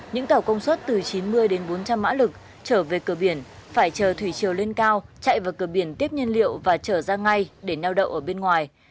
những tàu công suất từ chín mươi đến bốn trăm linh mã lực trở về cửa biển phải chờ thủy chiều lên cao chạy vào cửa biển tiếp nhân liệu và trở ra ngay để neo đậu ở bên ngoài